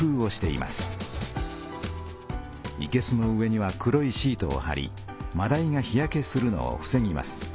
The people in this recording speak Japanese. いけすの上には黒いシートをはりまだいが日焼けするのをふせぎます。